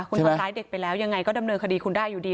คุณทำร้ายเด็กไปแล้วยังไงก็ดำเนินคดีคุณได้อยู่ดี